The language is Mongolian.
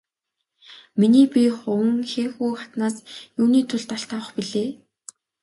Миний бие Хуванхэхү хатнаас юуны тулд алт авах билээ?